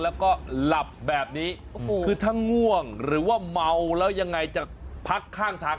แล้วก็หลับแบบนี้โอ้โหคือถ้าง่วงหรือว่าเมาแล้วยังไงจะพักข้างทาง